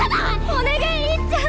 お願いりっちゃん！